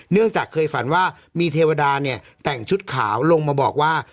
เนื่องจากเคยฝันว่ามีเทวดาเนี่ยแต่งชุดขาวลงมาบอกว่า